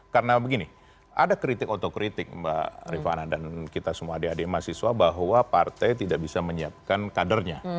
karena begini ada kritik otokritik mbak rifana dan kita semua adik adik mahasiswa bahwa partai tidak bisa menyiapkan kadernya